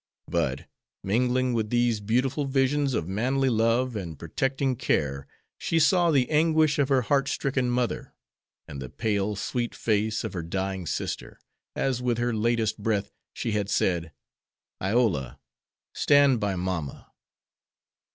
But, mingling with these beautiful visions of manly love and protecting care she saw the anguish of her heart stricken mother and the pale, sweet face of her dying sister, as with her latest breath she had said, "Iola, stand by mamma!"